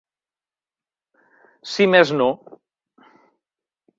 Si més no.